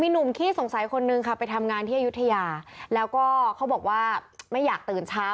หนุ่มขี้สงสัยคนนึงค่ะไปทำงานที่อายุทยาแล้วก็เขาบอกว่าไม่อยากตื่นเช้า